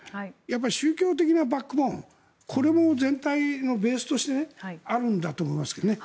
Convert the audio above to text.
宗教的なバックボーンこれも全体のベースとしてあるんだと思いますけどね。